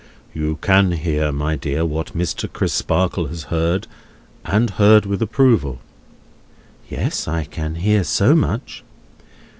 "You can hear, my dear, what Mr. Crisparkle has heard, and heard with approval." "Yes; I can hear so much."